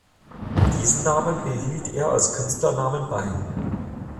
Diesen Namen behielt er als Künstlernamen bei.